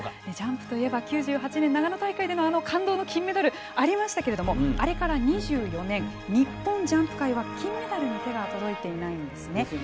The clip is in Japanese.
ジャンプといえば９８年長野大会でのあの感動の金メダルありましたけどあれから２４年日本ジャンプ界は金メダルに手が届いていないんですね。